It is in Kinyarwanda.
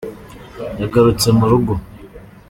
Yagarutse mu rugo